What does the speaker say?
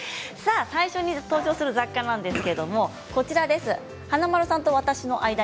最初に登場する雑貨ですけれどもこちらです。